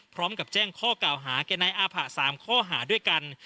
พร้อมกับแจ้งข้อกล่าวหาแก่นายอาผะ๓ข้อหาด้วยกัน